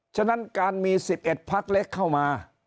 ฉะนั้นการมี๑๑พักเล็กเข้ามา